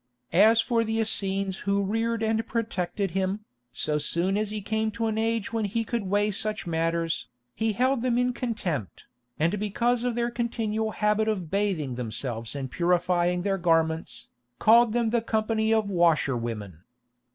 As for the Essenes who reared and protected him, so soon as he came to an age when he could weigh such matters, he held them in contempt, and because of their continual habit of bathing themselves and purifying their garments, called them the company of washer women.